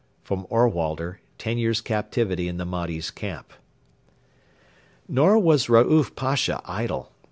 [Ohrwalder, TEN YEARS' CAPTIVITY IN THE MAHDI'S CAMP.] Nor was Raouf Pasha idle.